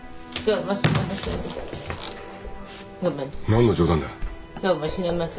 何の冗談だ。